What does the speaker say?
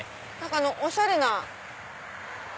おしゃれな。